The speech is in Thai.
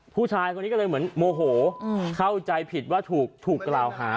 ผู้ชายคนนี้ก็เลยเหมือนโมโหเข้าใจผิดว่าถูกกล่าวหา